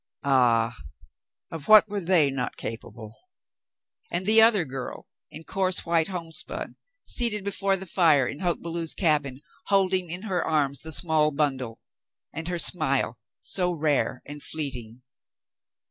Ah ! Of what were they not capable ? And the other girl in coarse white homespun, seated before the fire in Hoke Belew's cabin, holding in her arms the small bundle — and her smile, so rare and fleeting